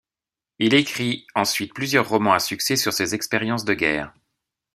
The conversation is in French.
Il écrit ensuite plusieurs romans à succès sur ses expériences de guerre.